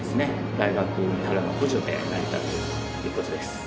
大学からの補助で成り立ってるという事です。